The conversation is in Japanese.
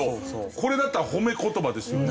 これだったら褒め言葉ですよね。